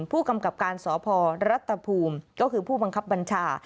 ผู้กำกับการสพรัฐภูมิก็คือผู้บังคับบัญชา